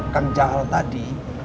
kang jahal tadi